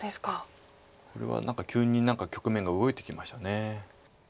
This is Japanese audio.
これは何か急に局面が動いてきました。